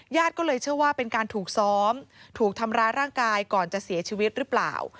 ก็เลยเชื่อว่าเป็นการถูกซ้อมถูกทำร้ายร่างกายก่อนจะเสียชีวิตหรือเปล่า